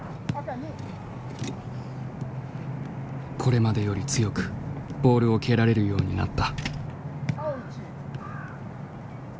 これまでより強くボールを蹴られるようになった。